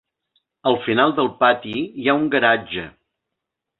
Al final del pati hi ha un garatge.